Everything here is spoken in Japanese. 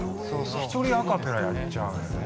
一人アカペラやっちゃうのよね。